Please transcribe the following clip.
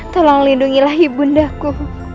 tolong lindungilah ibu undangku